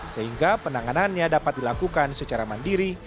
sehingga penanganannya dapat dilakukan secara mandiri